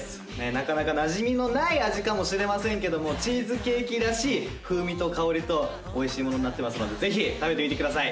なかなかなじみのない味かもしれませんけどもチーズケーキらしい風味と香りと美味しいものになってますのでぜひ食べてみてください。